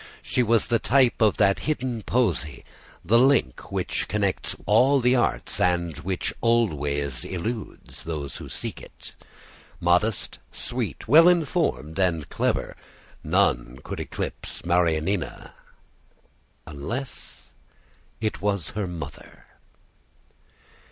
She was the type of that hidden poesy, the link which connects all the arts and which always eludes those who seek it. Modest, sweet, well informed, and clever, none could eclipse Marianina unless it was her mother.